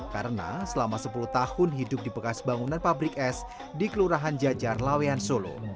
karena selama sepuluh tahun hidup di bekas bangunan pabrik es di kelurahan jajar lawian solo